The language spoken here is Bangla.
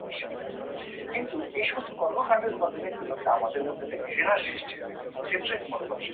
চলচ্চিত্রটিতে রাজকুমার রাও এবং মনোজ বাজপেয়ী ছিলেন।